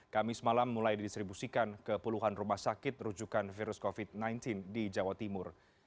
kamis malam mulai didistribusikan ke puluhan rumah sakit rujukan virus covid sembilan belas di jawa timur